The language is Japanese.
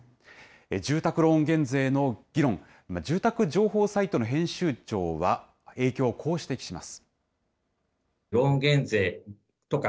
住宅ローン減税の議論、住宅情報サイトの編集長は、影響をこう指摘します。